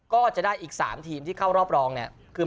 ก็จะได้อีก๓ทีมที่เข้ารอบรองเนี่ยคือ